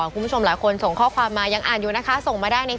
คุณผู้ชมหลายคนส่งข้อความมายังอ่านอยู่นะคะส่งมาได้ใน